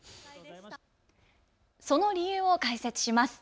その理由を解説します。